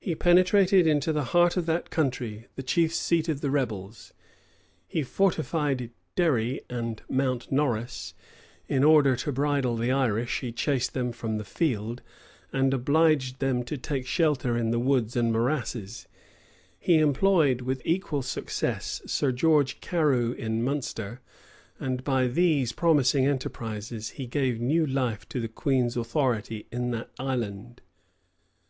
He penetrated into the heart of that country, the chief seat of the rebels; he fortified Derry and Mount Norris, in order to bridle the Irish: he chased them from the field, and obliged them to take shelter in the woods and morasses: he employed, with equal success, Sir George Carew in Munster: and by these promising enterprises, he gave new life to the queen's authority in that island.